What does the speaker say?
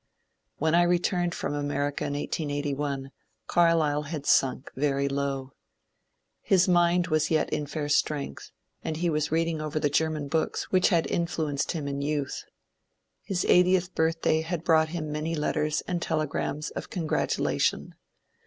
When I returned from America in 1881 Carlyle had sunk very low. His mind was yet in fair strength, and he waa reading over the German books which had influenced him in youth. His eightieth birthday had brought him many letters and telegrams of congratulation.